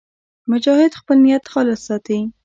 مجاهد خپل نیت خالص ساتي.